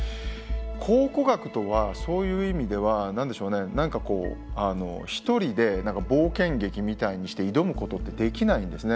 考古学とはそういう意味では何でしょうね何かこう１人で冒険劇みたいにして挑むことってできないんですね。